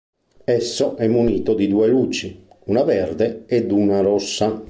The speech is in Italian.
Esso è munito di due luci, una verde ed una rossa.